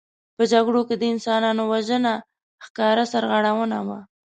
په جګړو کې د انسانانو وژنه ښکاره سرغړونه وه.